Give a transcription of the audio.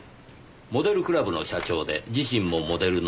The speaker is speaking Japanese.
モデルクラブの社長で自身もモデルのアメリカ人。